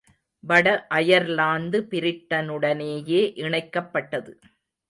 வட அயர்லாந்து பிரிட்டனுடனேயே இணைக்கப்பட்டது.